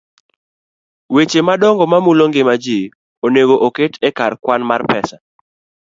Weche madongo mamulo ngima ji onego oket e kar kwan mar pesa